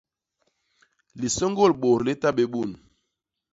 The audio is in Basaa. Lisôñgôl bôt li tabé bun!